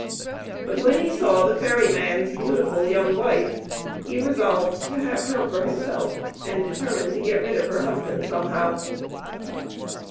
But when he saw the ferry man's beautiful young wife, he resolved to have her for himself, and determined to get rid of her husband somehow.